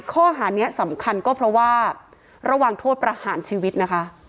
ข้อหานี้สำคัญก็เพราะว่าระหว่างโทษประหารชีวิตนะคะ